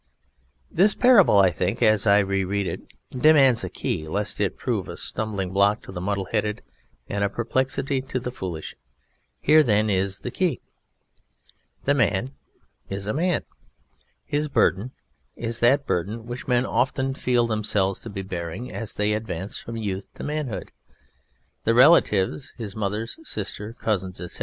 _This Parable I think, as I re read it, demands a KEY, lest it prove a stumbling block to the muddle headed and a perplexity to the foolish. Here then is the KEY:_ The MAN is a MAN. His BURDEN is that Burden which men often feel themselves to be bearing as they advance from youth to manhood. The RELATIVES _(his mother, his sister, his cousins, etc.)